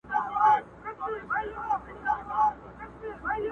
o پردى خر په ملا زوره ور دئ!